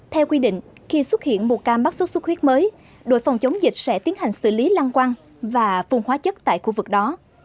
theo quy định khi xuất hiện một ca mắc sốt xuất huyết mới đội phòng chống dịch sẽ tiến hành xử lý lăng quăng và phun hóa chất tại khu vực đó